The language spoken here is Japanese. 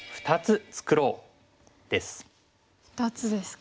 ２つですか。